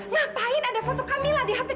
ngapain ada foto kamila di hp kamu